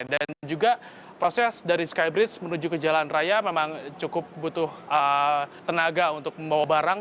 dan juga proses dari skybridge menuju ke jalan raya memang cukup butuh tenaga untuk membawa barang